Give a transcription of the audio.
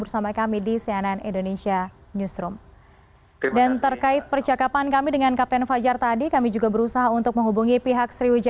bersama kami di cnn indonesia